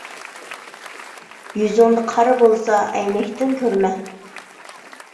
يۈزۈڭدە قارا بولسا ئەينەكتىن كۆرمە.